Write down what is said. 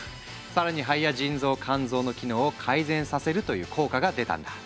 更に肺や腎臓肝臓の機能を改善させるという効果が出たんだ。